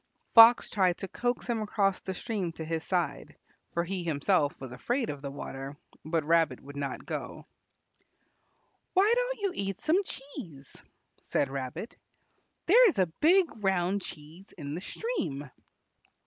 Fox tried to coax him across the stream to his side, for he himself was afraid of the water, but Rabbit would not go. "Why don't you eat some cheese?" said Rabbit; "there is a big round cheese in the stream."